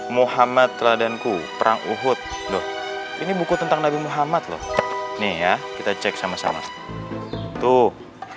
muhammad radenku perang uhud loh ini buku tentang nabi muhammad loh nih ya kita cek sama sama tuh